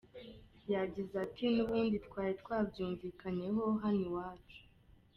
Yagize ati “ N’ubundi twari twabyumvikanyeho hano iwacu.